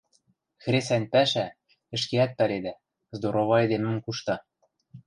Хресӓнь пӓшӓ, ӹшкеӓт паледӓ, здорова эдемӹм кушта.